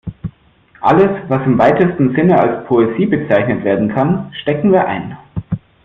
Alles, was im weitesten Sinne als Poesie bezeichnet werden kann, stecken wir ein.